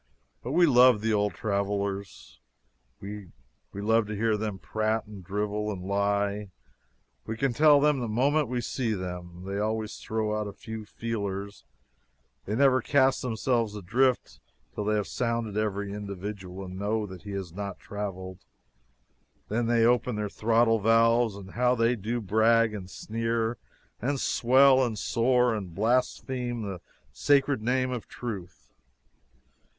But we love the Old Travelers. We love to hear them prate and drivel and lie. We can tell them the moment we see them. They always throw out a few feelers; they never cast themselves adrift till they have sounded every individual and know that he has not traveled. Then they open their throttle valves, and how they do brag, and sneer, and swell, and soar, and blaspheme the sacred name of Truth!